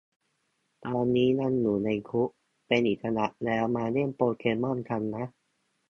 ตอนนี้ยังอยู่ในคุก เป็นอิสระแล้วมาเล่นโปเกมอนกันนะ